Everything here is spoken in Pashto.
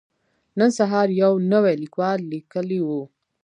نن سهار يو نوي ليکوال ليکلي وو.